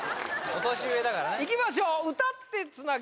お年上だからねいきましょう歌ってつなげ！